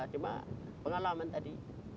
cuma pengalaman tadi